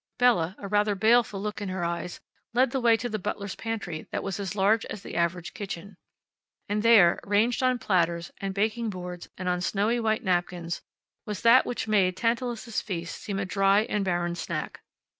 Bella, a rather baleful look in her eyes, led the way to the butler's pantry that was as large as the average kitchen. And there, ranged on platters, and baking boards, and on snowy white napkins, was that which made Tantalus's feast seem a dry and barren snack.